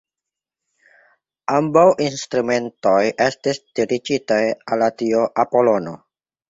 Ambaŭ instrumentoj estis dediĉitaj al la dio Apolono.